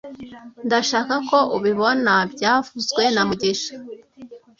Ndashaka ko ubibona byavuzwe na mugisha